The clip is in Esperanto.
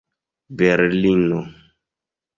berlino